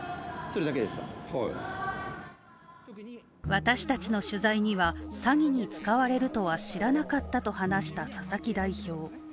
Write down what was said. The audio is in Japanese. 私たちの取材には、詐欺に使われるとは知らなかったと話した佐々木代表。